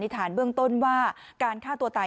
ตอนนี้ก็เพิ่งที่จะสูญเสียคุณย่าไปไม่นาน